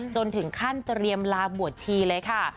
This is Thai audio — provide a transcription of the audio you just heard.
จนถึงขั้นเตรียมลาบวชชีเลยค่ะ